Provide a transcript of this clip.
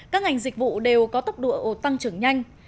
các ngành dịch vụ đều có tốc độ tăng trưởng nhanh